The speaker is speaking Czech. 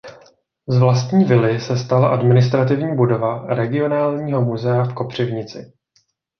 Z vlastní vily se stala administrativní budova Regionálního muzea v Kopřivnici.